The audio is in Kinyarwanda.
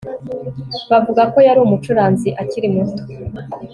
Bavuga ko yari umucuranzi akiri muto